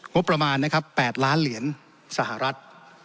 งบประมาณนะครับ๘ล้านเหรียญสหรัฐ